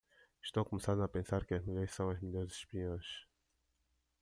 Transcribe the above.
Estou começando a pensar que as mulheres são as melhores espiões.